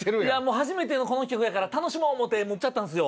初めてのこの企画やから楽しもう思てのっちゃったんですよ。